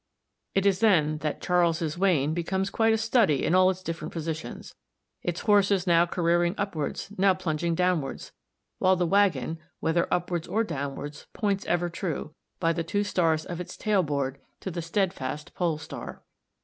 It is then that Charles's Wain becomes quite a study in all its different positions, its horses now careering upwards, now plunging downwards, while the waggon, whether upwards or downwards, points ever true, by the two stars of its tail board, to the steadfast pole star.